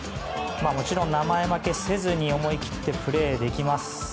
もちろん、名前負けせずに思い切ってプレーできます。